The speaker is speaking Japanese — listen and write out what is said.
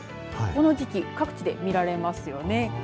この時期、各地で見られますよね。